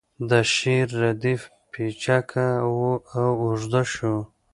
د شعر ردیف پیچکه و او اوږد شو